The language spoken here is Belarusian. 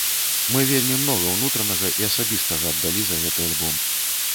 Мы вельмі многа ўнутранага і асабістага аддалі за гэты альбом.